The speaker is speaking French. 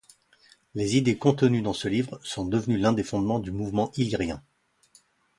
Les idées contenues dans ce livre sont devenues l'un des fondements du Mouvement illyrien.